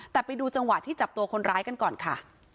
แต่ไปดูจังหวะที่จับตัวคนร้ายกันก่อนค่ะ